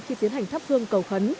khi tiến hành tháp hương cầu khấn